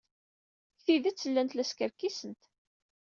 Deg tidet, llant la skerkisent.